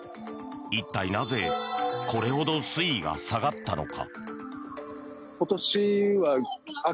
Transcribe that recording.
一体なぜこれほど水位が下がったのか。